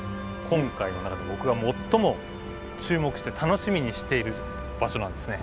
今回の中で僕が最も注目して楽しみにしている場所なんですね。